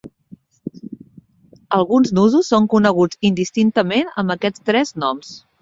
Alguns nusos son coneguts indistintament amb aquests tres noms.